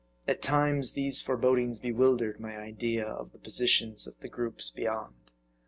At times, these forebodings bewildered my idea of the positions of the groups beyond.